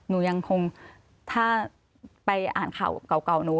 หนูยังคงถ้าไปอ่านข่าวเก่าหนู